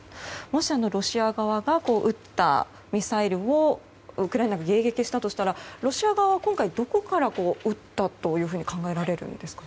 もしロシア側が撃ったミサイルをウクライナが迎撃したとしたらロシア側は今回どこから撃ったと考えられるんですか。